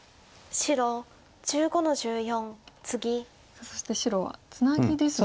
さあそして白はツナギですね。